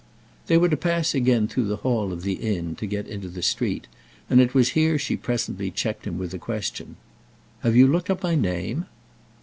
They were to pass again through the hall of the inn to get into the street, and it was here she presently checked him with a question. "Have you looked up my name?"